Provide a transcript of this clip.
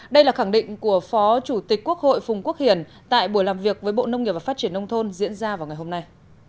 đây là khẳng định của phó chủ tịch quốc hội phùng quốc hiển tại buổi làm việc với bộ nông nghiệp và phát triển nông thôn diễn ra vào ngày hôm nay